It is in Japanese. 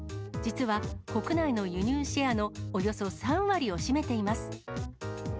実は、国内の輸入シェアのおよそ３割を占めています。